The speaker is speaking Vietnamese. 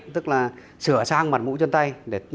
tức là sửa sang mặt mũ chân tay